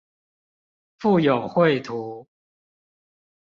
附有繪圖